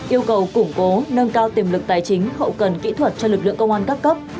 yêu cầu củng cố nâng cao tiềm lực tài chính hậu cần kỹ thuật cho lực lượng công an các cấp